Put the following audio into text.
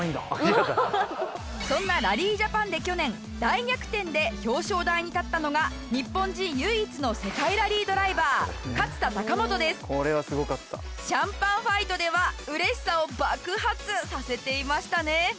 そんなラリージャパンで去年大逆転で表彰台に立ったのがシャンパンファイトでは嬉しさを爆発させていましたね！